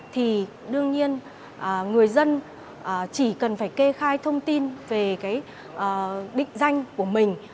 thì đương nhiên người dân chỉ cần phải kê khai thông tin về cái định danh của mình